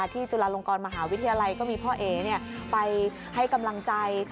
จุฬาลงกรมหาวิทยาลัยก็มีพ่อเอ๋ไปให้กำลังใจ